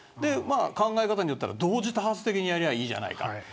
考え方によっては同時多発的にやればいいじゃないか。